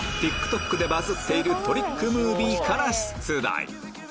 ＴｉｋＴｏｋでバズっているトリックムービーから出題